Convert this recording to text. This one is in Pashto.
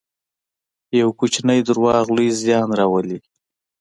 یو کوچنی دروغ لوی زیان راولي.